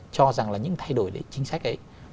cho rằng là những thay đổi chính sách ấy